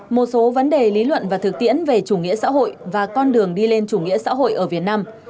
một số vấn đề lý luận và thực tiễn về chủ nghĩa xã hội và con đường đi lên chủ nghĩa xã hội ở việt nam